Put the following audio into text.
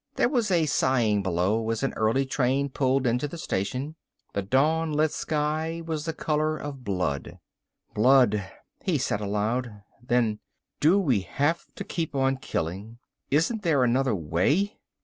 There was a sighing below as an early train pulled into the station. The dawn lit sky was the color of blood. "Blood," he said aloud. Then, "Do we have to keep on killing? Isn't there another way?"